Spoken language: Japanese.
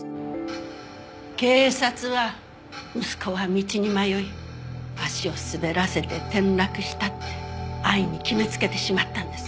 警察は息子は道に迷い足を滑らせて転落したって安易に決めつけてしまったんです。